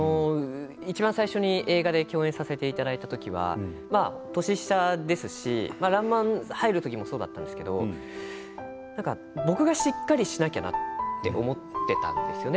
いちばん最初に映画で共演させていただいた時は年下ですし「らんまん」入る時もそうなんですけど僕がしっかりしなきゃなと思っていたんですよね。